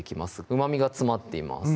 うまみが詰まっています